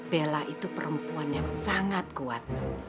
bella itu perempuan yang sangat kuat